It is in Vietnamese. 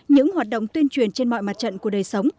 những hoạt động tuyên truyền trên mọi mặt trận của đời sống